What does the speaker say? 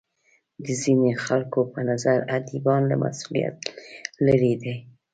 د ځینو خلکو په نظر ادیبان له مسولیت لرې دي.